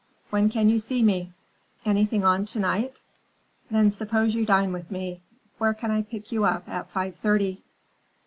When can you see me?" "Anything on to night? Then suppose you dine with me. Where can I pick you up at five thirty?"